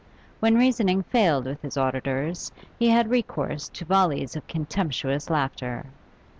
When reasoning failed with his auditors, he had recourse to volleys of contemptuous laughter.